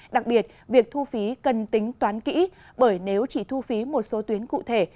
đặc biệt việc thu phí cần tính toán kỹ bởi nếu chỉ thu phí một số tuyến cụ thể